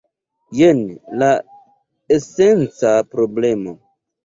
Jen la esenca problemo.